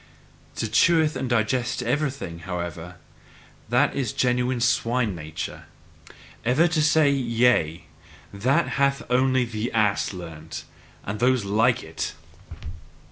To chew and digest everything, however that is the genuine swine nature! Ever to say YE A that hath only the ass learnt, and those like it!